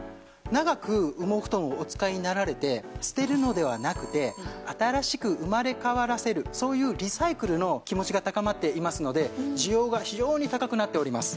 長く羽毛布団をお使いになられて捨てるのではなくて新しく生まれ変わらせるそういうリサイクルの気持ちが高まっていますので需要が非常に高くなっております。